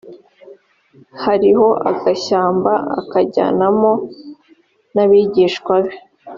hariho agashyamba akajyanamo n abigishwa be